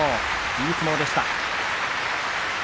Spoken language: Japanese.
いい相撲でした。